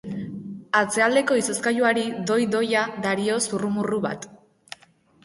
Atzealdeko izozkailuari doi-doia dario zurrumurru bat.